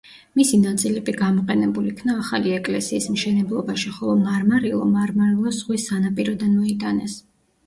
მისი ნაწილები გამოყენებულ იქნა ახალი ეკლესიის მშენებლობაში, ხოლო მარმარილო მარმარილოს ზღვის სანაპიროდან მოიტანეს.